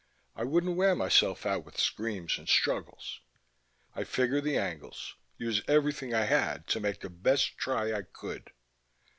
I wouldn't wear myself out with screams and struggles. I'd figure the angles, use everything I had to make the best try I could.